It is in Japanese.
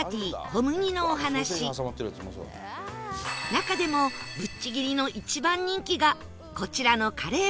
中でもぶっちぎりの一番人気がこちらのカレーパン